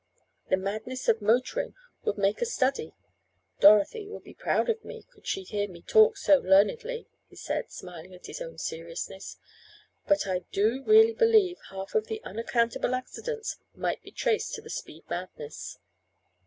The madness of motoring would make a study. Dorothy would be proud of me could she hear me talk so learnedly," he said, smiling at his own seriousness, "but I do really believe half of the unaccountable accidents might be traced to the speed madness."